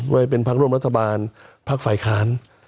ไว้เป็นพักร่วมรัฐบาลพักฝ่ายค้าน